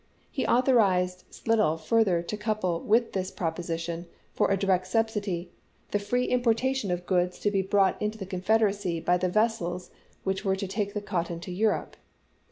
He authorized SlideU further to couple with this proposition for a MEDIATION DECLINED 79 direct subsidy, the free importation of goods to be chap. iv. brought into the Confederacy by the vessels which were to take the cotton to Europe.